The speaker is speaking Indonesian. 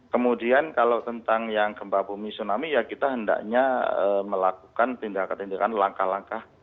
kemudian kalau tentang yang gempa bumi tsunami ya kita hendaknya melakukan tindakan tindakan langkah langkah